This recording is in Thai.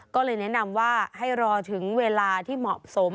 ก็เลยแนะนำว่าให้รอถึงเวลาที่เหมาะสม